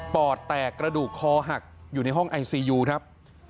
อดแตกกระดูกคอหักอยู่ในห้องไอซียูครับ